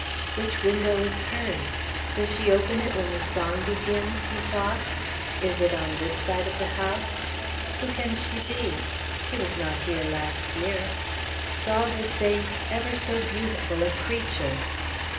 "Which window is hers? Will she open it when the song begins?" he thought. "Is it on this side of the house? Who can she be? She was not here last year. Saw the saints ever so beautiful a creature!"